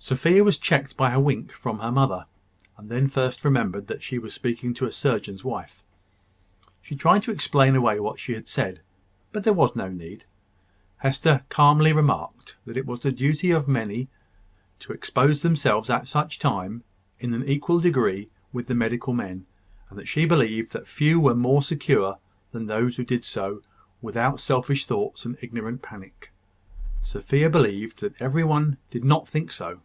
Sophia was checked by a wink from her mother, and then first remembered that she was speaking to a surgeon's wife. She tried to explain away what she had said; but there was no need. Hester calmly remarked that it was the duty of many to expose themselves at such times in an equal degree with the medical men; and that she believed that few were more secure than those who did so without selfish thoughts and ignorant panic. Sophia believed that every one did not think so.